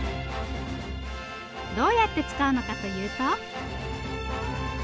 どうやって使うのかというと。